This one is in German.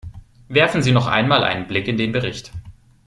Werfen Sie noch einmal einen Blick in den Bericht.